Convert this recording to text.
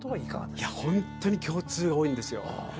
いやホントに共通が多いんですよ